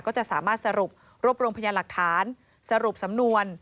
ก็จะสามารถสรุปรวบรวมพยานหลักฐานสรุปสำนวน